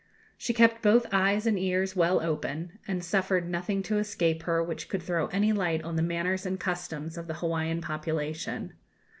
She kept both eyes and ears well open, and suffered nothing to escape her which could throw any light on the manners and customs of the Hawaiian population.